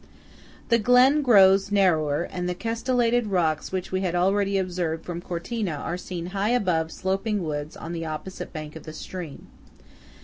The glen now grows narrower, and the castellated rocks which we had already observed from Cortina are seen high above sloping woods on the opposite bank of the stream.